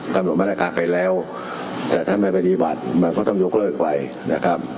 หนุนมาตรการไปแล้วแต่ถ้าไม่ปฏิบัติมันก็ต้องยกเลิกไปนะครับ